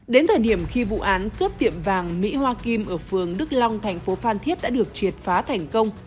đến thời điểm khi vụ án cướp tiệm vàng mỹ hoa kim ở phường đức long thành phố phan thiết đã được triệt phá thành công